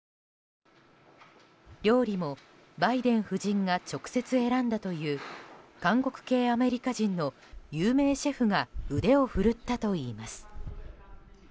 料理も、バイデン夫人が直接選んだという韓国系アメリカ人の有名シェフが腕を振るったといいます。